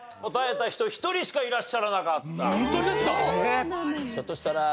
答えた人１人しかいらっしゃらなかった。